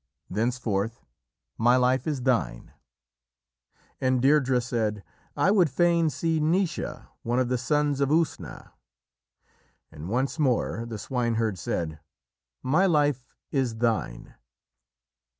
Thenceforth my life is thine." And Deirdrê said: "I would fain see Naoise, one of the Sons of Usna." And once more the swineherd said: "My life is thine."